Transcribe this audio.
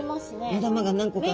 目玉が何個か。